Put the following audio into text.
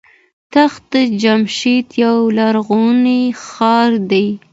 تخت جمشید یو لرغونی ښار دی.